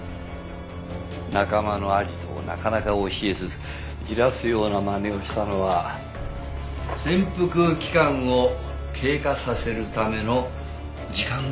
仲間のアジトをなかなか教えずじらすようなまねをしたのは潜伏期間を経過させるための時間稼ぎ。